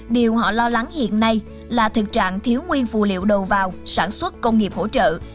điều họ lo lắng hiện nay là thực trạng thiếu nguyên phụ liệu đầu vào sản xuất công nghiệp hỗ trợ